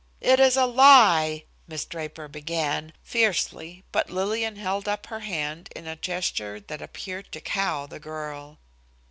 "It is a lie," Miss Draper began, fiercely, but Lillian held up her hand in a gesture that appeared to cow the girl.